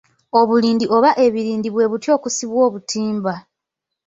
Obulindi oba ebirindi bwe buti okusibwa obutimba.